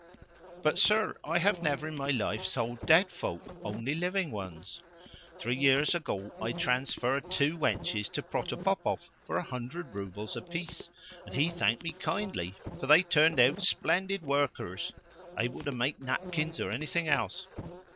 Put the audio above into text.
"But, sir, I have never in my life sold dead folk only living ones. Three years ago I transferred two wenches to Protopopov for a hundred roubles apiece, and he thanked me kindly, for they turned out splendid workers able to make napkins or anything else.